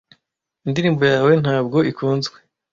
indirimbo yawe ntabwo ikunzwe